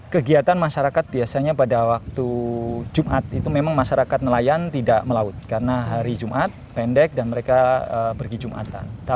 kegiatan masyarakat biasanya pada waktu jumat itu memang masyarakat nelayan tidak melaut karena hari jumat pendek dan mereka pergi jumatan